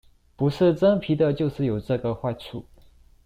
不是真皮的就是有這個壞處！